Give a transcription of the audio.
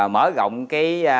mở rộng cái